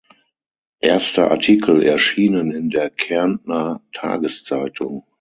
Erste Artikel erschienen in der Kärntner Tageszeitung.